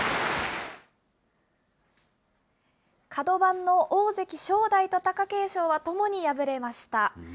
角番の大関・正代と貴景勝は、ともに敗れました。